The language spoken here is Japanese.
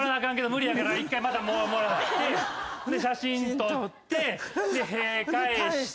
無理やから１回またもらって写真撮って屁返して。